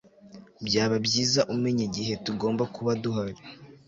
Byaba byiza umenye igihe tugomba kuba duhari